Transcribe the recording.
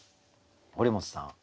堀本さん